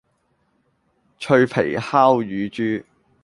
脆皮烤乳豬